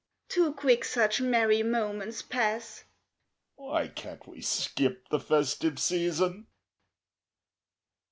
_) Too quick such merry moments pass (_Why can't we skip the "festive season"?